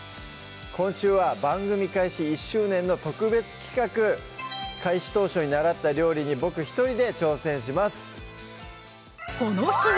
今週は番組開始１周年の特別企画開始当初に習った料理に僕１人で挑戦します